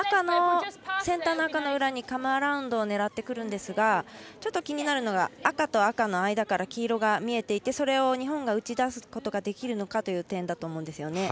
センターの赤の裏にカムアラウンドを狙ってくるんですがちょっと気になるのが赤と赤の間から黄色が見えていてそれを日本が打ち出すことができるのかという点だと思います。